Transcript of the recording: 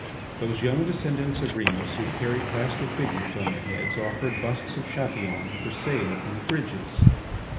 Those young descendants of Remus who carry plaster figures on their heads, offered busts of Chatillon for sale upon the bridges.